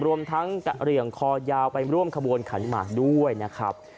รวมทั้งกะเหลี่ยงคอยาวไปร่วมขบวนขันหมากด้วยนะครับ